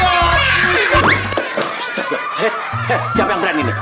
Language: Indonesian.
eh siapa yang berani nih